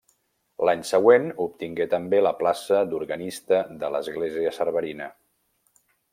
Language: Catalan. L'any següent obtingué també la plaça d'organista de l'església cerverina.